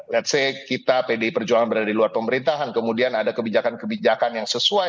⁇ lets ⁇ say kita pdi perjuangan berada di luar pemerintahan kemudian ada kebijakan kebijakan yang sesuai